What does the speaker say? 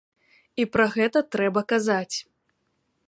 І пра гэта трэба казаць.